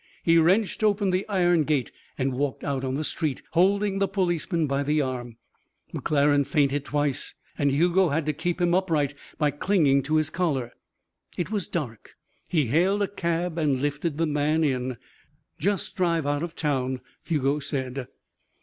He wrenched open the iron gate and walked out on the street, holding the policeman by the arm. McClaren fainted twice and Hugo had to keep him upright by clinging to his collar. It was dark. He hailed a cab and lifted the man in. "Just drive out of town," Hugo said.